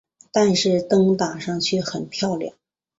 但是灯打上去很漂亮